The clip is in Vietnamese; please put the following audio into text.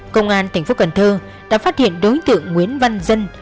công an tp cần thơ đã phát hiện đối tượng nguyễn văn dân